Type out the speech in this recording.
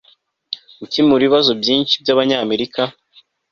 gukemura ibibazo byinshi by'abanyamerika